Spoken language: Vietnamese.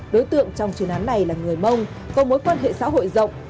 đối tượng trong chuyên án này là người mông có mối quan hệ xã hội rộng